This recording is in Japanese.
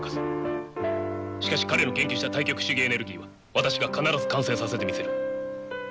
しかし彼の研究した対極主義エネルギーは私が必ず完成させてみせる。